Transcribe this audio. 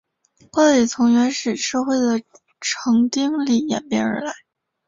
冠礼从原始社会的成丁礼演变而来。